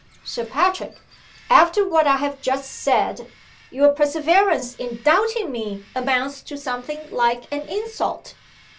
"Sir Patrick! after what I have just said your perseverance in doubting me amounts to something like an insult!"